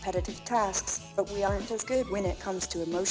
tapi kita tidak sebaiknya ketika berkaitan dengan kecerdasan emosi